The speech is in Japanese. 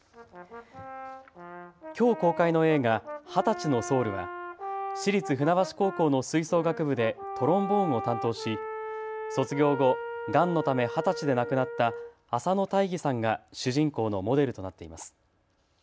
きょう公開の映画、２０歳のソウルは市立船橋高校の吹奏楽部でトロンボーンを担当し卒業後、がんのため二十歳で亡くなった浅野大義さんが主人公のモデルとなっています。